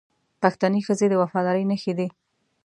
پښتنې ښځې د وفادارۍ نښې دي